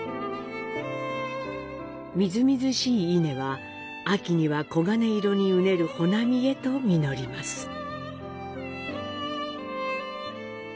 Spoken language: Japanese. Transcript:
みずみずしい稲は、秋には黄金色にうねる穂波へと実ります。